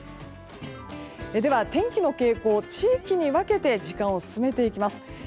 では、天気の傾向を地域に分けて時間を進めていきます。